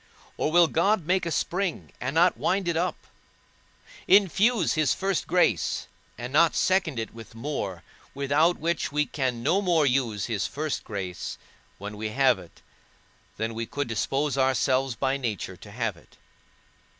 or will God make a spring, and not wind it up? Infuse his first grace, and not second it with more, without which we can no more use his first grace when we have it, than we could dispose ourselves by nature to have it?